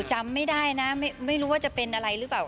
จำไม่ได้นะไม่รู้ว่าจะเป็นอะไรหรือเปล่า